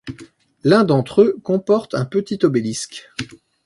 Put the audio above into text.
L'un d'entre eux comporte un petit obélisque.